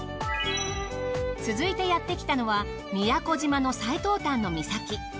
続いてやってきたのは宮古島の最東端の岬。